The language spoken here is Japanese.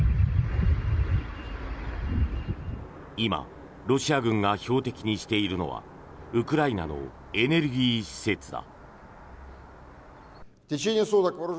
今、ロシア軍が標的にしているのはウクライナのエネルギー施設だ。